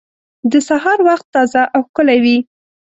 د سهار وخت تازه او ښکلی وي.